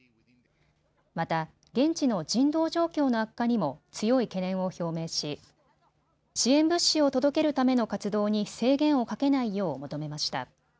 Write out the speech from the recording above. また現地の人道状況の悪化にも強い懸念を表明し、支援物資を届けるための活動に制限をかけないよう求めました。